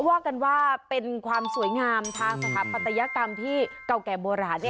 ว่ากันว่าเป็นความสวยงามทางสถาปัตยกรรมที่เก่าแก่โบราณ